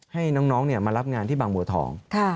ให้น้องมารับงานที่บางบัวทอง